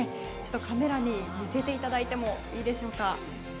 カメラに見せていただいてもいいでしょうか。